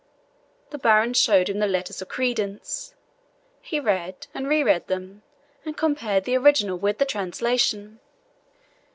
The baron showed him the letters of credence. He read and re read them, and compared the original with the translation.